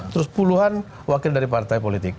terus puluhan wakil dari partai politik